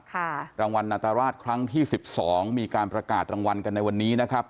รางวัลนาตราชครั้งที่สิบสองมีการประกาศรางวัลกันในวันนี้นะครับ